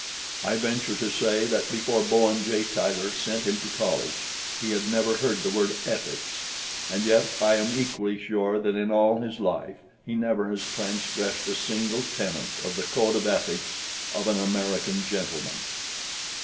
I venture to say that before Bowen J. Tyler sent him to college he had never heard the word ethics, and yet I am equally sure that in all his life he never has transgressed a single tenet of the code of ethics of an American gentleman.